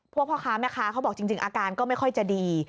พ่อค้าแม่ค้าเขาบอกจริงอาการก็ไม่ค่อยจะดี